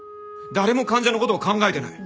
誰も患者の事を考えてない。